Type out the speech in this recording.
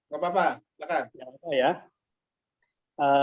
gak apa apa silahkan